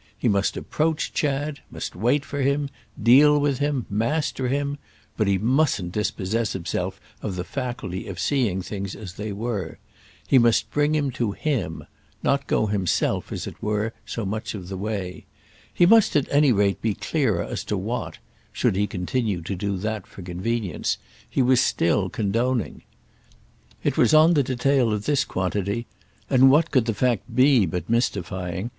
He must approach Chad, must wait for him, deal with him, master him, but he mustn't dispossess himself of the faculty of seeing things as they were. He must bring him to him—not go himself, as it were, so much of the way. He must at any rate be clearer as to what—should he continue to do that for convenience—he was still condoning. It was on the detail of this quantity—and what could the fact be but mystifying?